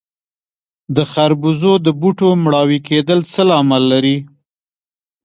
د خربوزو د بوټو مړاوي کیدل څه لامل لري؟